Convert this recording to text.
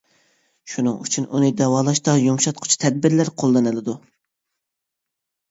شۇنىڭ ئۈچۈن ئۇنى داۋالاشتا يۇمشاتقۇچى تەدبىرلەر قوللىنىلىدۇ.